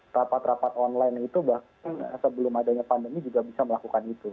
rapat rapat online itu bahkan sebelum adanya pandemi juga bisa melakukan itu